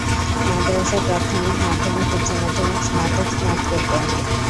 মাদরাসা, প্রাথমিক, মাধ্যমিক, উচ্চমাধ্যমিক, স্নাতক, স্নাতকোত্তর।